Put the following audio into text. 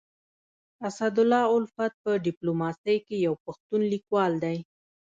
اسدالله الفت په ډيپلوماسي کي يو پښتون ليکوال دی.